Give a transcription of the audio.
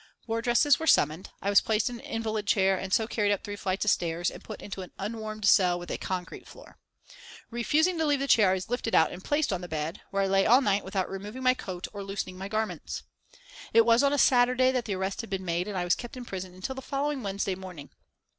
Wardresses were summoned, I was placed in an invalid chair and so carried up three flights of stairs and put into an unwarmed cell with a concrete floor. Refusing to leave the chair I was lifted out and placed on the bed, where I lay all night without removing my coat or loosening my garments. It was on a Saturday that the arrest had been made, and I was kept in prison until the following Wednesday morning.